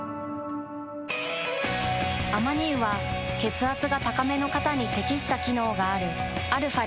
アマニ油は血圧が高めの方に適した機能があるαー